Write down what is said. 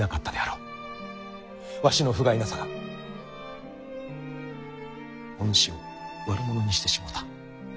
わしのふがいなさがお主を悪者にしてしもうた。